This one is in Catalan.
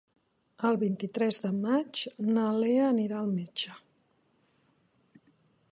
El vint-i-tres de maig na Lea anirà al metge.